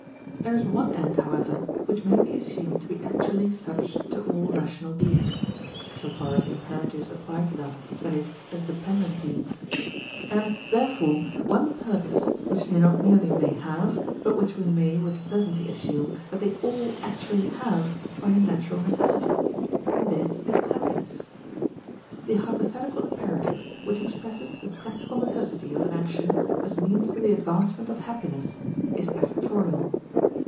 There is one end, however, which may be assumed to be actually such to all rational beings (so far as imperatives apply to them, viz., as dependent beings), and, therefore, one purpose which they not merely may have, but which we may with certainty assume that they all actually have by a natural necessity, and this is happiness. The hypothetical imperative which expresses the practical necessity of an action as means to the advancement of happiness is assertorial.